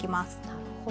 なるほど。